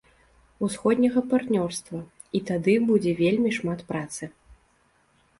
Усходняга партнёрства, і тады будзе вельмі шмат працы.